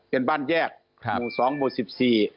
เป็นบ้านแยกหมู่สองหมู่สิบสี่